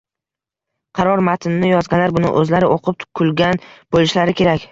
Qaror matnini yozganlar buni o'zlari o'qib kulgan bo'lishlari kerak